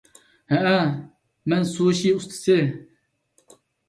ھەئە ،مەن سۇشى ئۇستىسى.